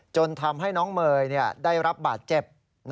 จนทำให้น้องเมย์ได้รับบาดเจ็บ